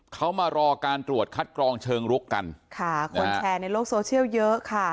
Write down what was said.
เขามารอการตรวจคัดกรองเชิงลุกกันค่ะคนแชร์ในโลกโซเชียลเยอะค่ะ